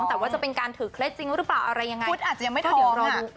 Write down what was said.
แต่ว่าจะเป็นการถือเคล็ดจริงหรือเปล่าอะไรยังไงพุทธอาจจะยังไม่เท่า